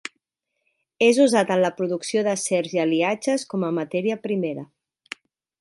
És usat en la producció d'acers i aliatges com a matèria primera.